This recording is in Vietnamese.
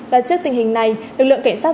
và trước tình hình này lực lượng kể sát